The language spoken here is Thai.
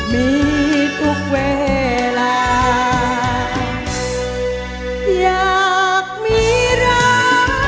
มีทุกเวลาอยากมีรัก